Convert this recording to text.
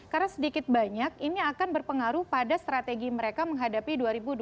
karena sedikit banyak ini akan berpengaruh pada strategi mereka menghadapi dua ribu dua puluh empat